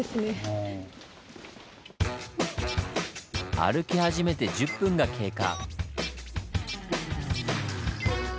歩き始めて１０分が経過。